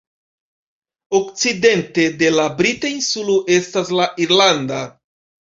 Okcidente de la brita insulo estas la irlanda.